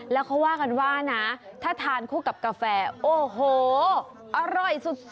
แล้วเขาว่ากันว่านะถ้าทานคู่กับกาแฟโอ้โหอร่อยสุด